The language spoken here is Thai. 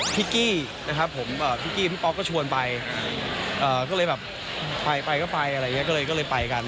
พิกกี้พี่ป๊อกก็ชวนไปก็เลยแบบไปก็ไปกัน